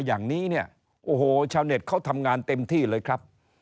อย่างนี้ชาวเน็ตเขาทำงานเต็มที่เลยครับ